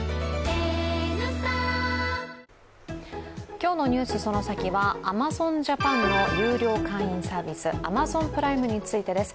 今日の「ＮＥＷＳそのサキ！」はアマゾンジャパンの有料会員サービスアマゾンプライムについてです。